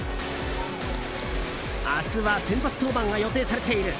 明日は先発登板が予定されている。